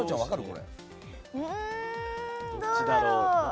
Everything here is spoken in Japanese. うーん、どうだろう。